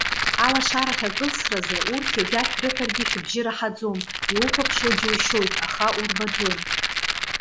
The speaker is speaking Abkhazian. Алашарахь акылсразы, урҭ иагьа шәрыҳәаргьы шәыбжьы раҳаӡом, иухәаԥшуа џьушьоит, аха урбаӡом.